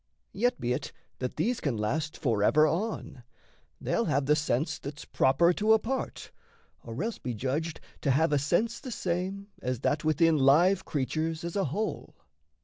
Yet be't that these can last forever on: They'll have the sense that's proper to a part, Or else be judged to have a sense the same As that within live creatures as a whole.